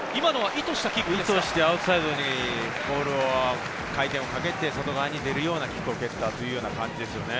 意図して回転をかけて外側に出るようなキックを蹴ったという感じですね。